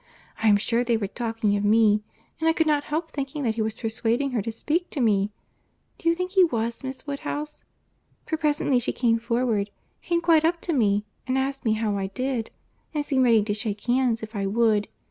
I am sure they were talking of me; and I could not help thinking that he was persuading her to speak to me—(do you think he was, Miss Woodhouse?)—for presently she came forward—came quite up to me, and asked me how I did, and seemed ready to shake hands, if I would.